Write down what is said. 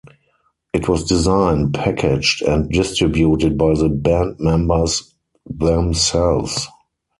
It was designed, packaged and distributed by the band members themselves.